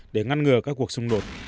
để ngăn ngừa các cuộc xung đột